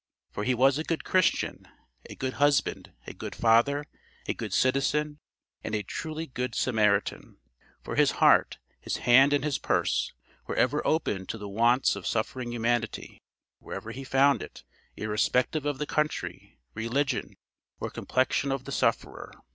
For he was a good Christian, a good husband, a good father, a good citizen, and a truly good Samaritan, for his heart, his hand and his purse, were ever open to the wants of suffering humanity, wherever he found it; irrespective of the country, religion, or complexion of the sufferer.